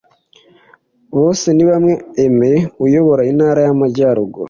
Bosenibamwe Aimée uyobora Intara y’Amajyaruguru